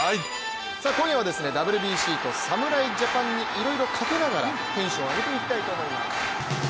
今夜はＷＢＣと侍ジャパンにいろいろかけながらテンションを上げていきたいと思います。